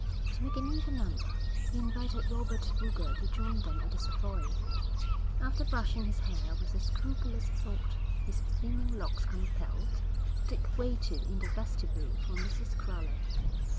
To make an even number he invited Robert Boulger to join them at the Savoy. After brushing his hair with the scrupulous thought his thinning locks compelled, Dick waited in the vestibule for Mrs. Crowley.